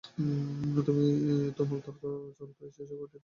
তুমুল তর্ক চলত সেই ঘরটিতে, যার আওয়াজ আমরা বাইরে বসে পেতাম।